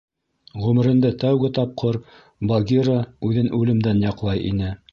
Ғүмерендә тәүге тапҡыр Багира үҙен үлемдән яҡлай ине.